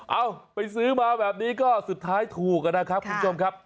เอาไปซื้อมาแบบนี้ก็สุดท้ายถูกนะครับคุณผู้ชมครับ